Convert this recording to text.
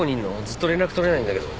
ずっと連絡取れないんだけど。